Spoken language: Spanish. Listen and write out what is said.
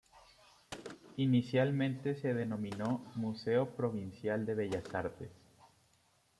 Inicialmente se denominó "Museo Provincial de Bellas Artes".